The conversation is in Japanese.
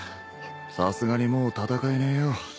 さすがにもう戦えねえよ。